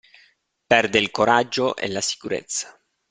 Perde il coraggio e la sicurezza.